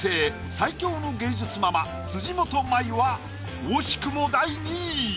最強の芸術ママ辻元舞は惜しくも第２位。